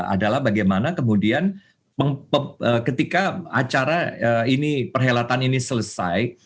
adalah bagaimana kemudian ketika acara ini perhelatan ini selesai